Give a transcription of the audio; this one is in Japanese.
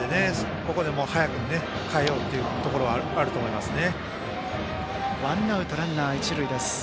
ここで早くも代えようというところがあると思いますね。